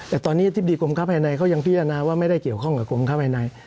แต่ตอนนี้อธิบดีกรมค้าภายในเขายังพิจารณาว่าไม่ได้เกี่ยวข้องกับกรมค้าภายใน